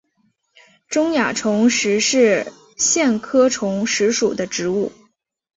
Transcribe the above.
中亚虫实是苋科虫实属的植物。